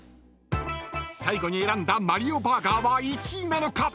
［最後に選んだマリオ・バーガーは１位なのか？］